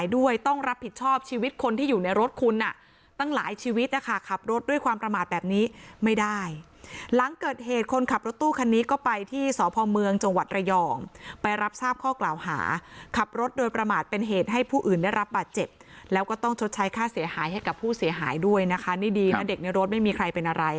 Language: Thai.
ด้วยต้องรับผิดชอบชีวิตคนที่อยู่ในรถคุณอ่ะตั้งหลายชีวิตนะคะขับรถด้วยความประมาทแบบนี้ไม่ได้หลังเกิดเหตุคนขับรถตู้คันนี้ก็ไปที่สพเมืองจังหวัดระยองไปรับทราบข้อกล่าวหาขับรถโดยประมาทเป็นเหตุให้ผู้อื่นได้รับบาดเจ็บแล้วก็ต้องชดใช้ค่าเสียหายให้กับผู้เสียหายด้วยนะคะนี่ดีนะเด็กในรถไม่มีใครเป็นอะไร